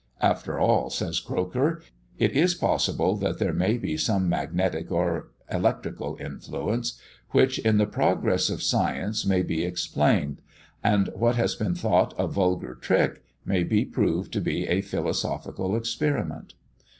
"After all," says Croker, "it is possible that there may be some magnetic or electrical influence, which, in the progress of science, may be explained; and what has been thought a vulgar trick, may be proved to be a philosophical experiment."